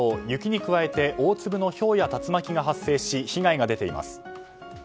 雪に加えて大粒のひょうや竜巻が発生し被害が出ています。